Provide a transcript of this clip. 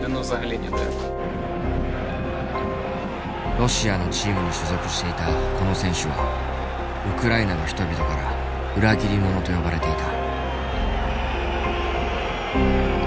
ロシアのチームに所属していたこの選手はウクライナの人々から裏切り者と呼ばれていた。